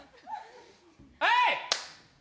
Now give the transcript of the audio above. はい。